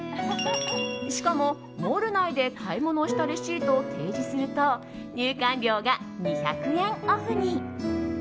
しかも、モール内で買い物をしたレシートを提示すると入館料が２００円オフに。